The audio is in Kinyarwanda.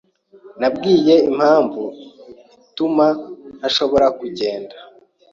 Nabwiye impamvu ituma ntashobora kugenda.